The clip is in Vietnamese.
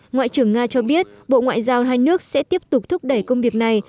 ngoại trưởng nga cho biết bộ ngoại giao hai nước sẽ tiếp tục thúc đẩy công việc này